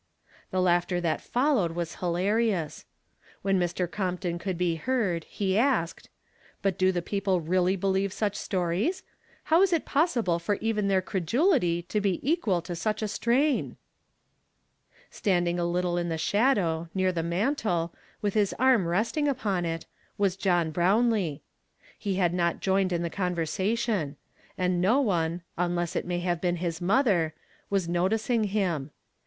The laughter that followed was hilarious. When Mr. Compton could l)e heard, he asked: "But do the people really believe such stories? How is it possible for even their credulity to W equal to such a strain?" Standing a little in the shadow, near the mantel, 204 YKSTKIIDAY FIIAMICD IN TO DAV. with his arm resting upon it, was John Brownlee< Ho had not joined in tlie convei sation ; and j' , one, unU'ss it may have heen his mother, was notieing him.